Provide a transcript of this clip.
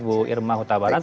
bu irman hutabarat